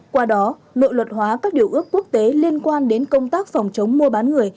qua đó nội luật hóa các điều ước quốc tế liên quan đến công tác phòng chống mua bán người